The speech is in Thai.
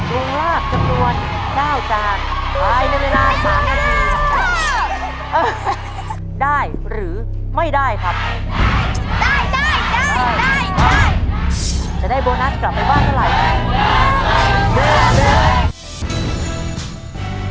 โดยราบจับรวมเจ้าจากอายุไม่นานสามนาที